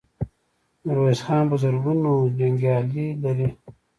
ميرويس خان په زرګونو جنګيالي لري.